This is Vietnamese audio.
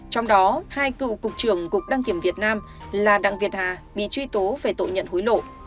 trong đó hai cựu cục trưởng cục đăng kiểm việt nam là đặng việt hà bị truy tố về tội nhận hối lộ